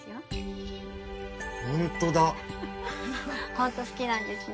ほんと好きなんですね。